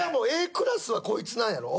Ａクラスはこいつなんやろ？